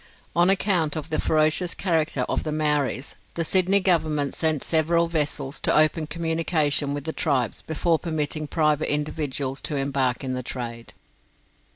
On account of the ferocious character of the Maoris, the Sydney Government sent several vessels to open communication with the tribes before permitting private individuals to embark in the trade.